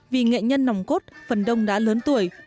vì nghệ nhân nòng cốt phần đông đã lớn tuổi